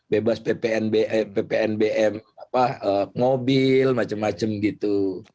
bebas ppnbm mobil macam macam gitu